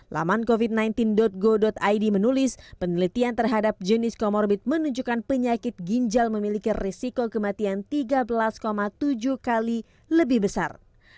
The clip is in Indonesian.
laman covid sembilan belas go id menulis penelitian terhadap jenis comorbid menunjukkan penyakit ginjal memiliki risiko kematian tiga belas tujuh kali lebih besar